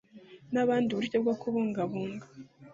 N abandi uburyo bwo kubungabunga